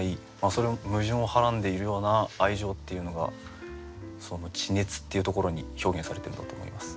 その矛盾をはらんでいるような愛情っていうのがその「地熱」っていうところに表現されてるんだと思います。